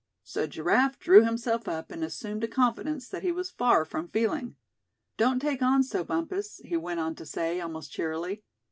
So Giraffe drew himself up, and assumed a confidence that he was far from feeling. "Don't take on so, Bumpus," he went on to say, almost cheerily.